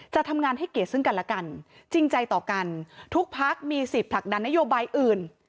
จะทำงานให้เกียรติซึ่งกันและกันจริงใจต่อกันทุกพักมีสิทธิ์ผลักดันนโยบายอื่น